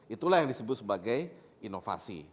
itulah yang disebut sebagai inovasi